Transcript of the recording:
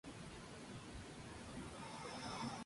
Esta área se define por dos temporadas: húmeda y seca.